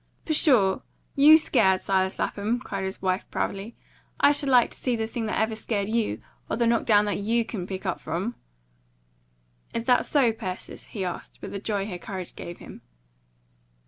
"Pshaw! YOU scared, Silas Lapham?" cried his wife proudly. "I should like to see the thing that ever scared you; or the knockdown that YOU couldn't pick up from!" "Is that so, Persis?" he asked, with the joy her courage gave him.